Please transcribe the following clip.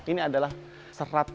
ini adalah seratus